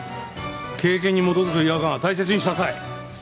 経験に基づく違和感は大切にしなさい！